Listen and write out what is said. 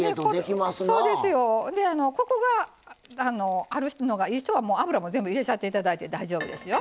コクがあるのがいい人はもう脂も全部入れちゃっていただいて大丈夫ですよ。